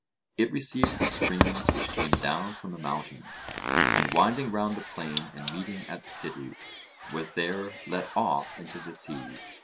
It received the streams which came down from the mountains, and winding round the plain and meeting at the city, was there let off into the sea.